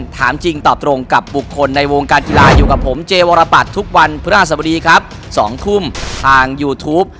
ตามใดที่ลิฟภูมิครอบอยู่